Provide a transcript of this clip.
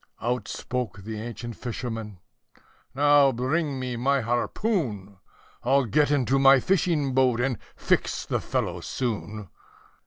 Out spoke the ancient fisherman, "Now bring me my harpoon! I'll get into my fishing boat, and fix the fellow soon."